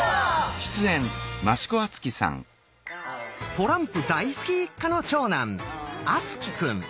トランプ大好き一家の長男敦貴くん。